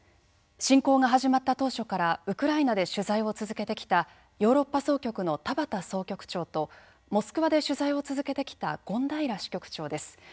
侵攻が始まった当初からウクライナで取材を続けてきたヨーロッパ総局の田端総局長とモスクワで取材を続けてきた権平支局長です。